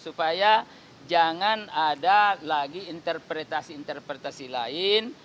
supaya jangan ada lagi interpretasi interpretasi lain